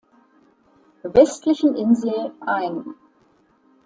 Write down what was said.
Westlichen Insel ein.